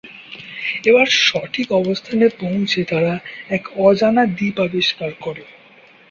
এবার সঠিক অবস্থানে পৌঁছে তারা এক অজানা দ্বীপ আবিষ্কার করে।